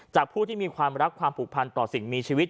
ผู้ที่มีความรักความผูกพันต่อสิ่งมีชีวิต